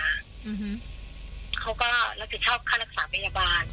เขาก็รับผิดชอบค่ารักษาพยาบาล